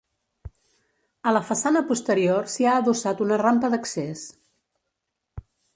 A la façana posterior s'hi ha adossat una rampa d'accés.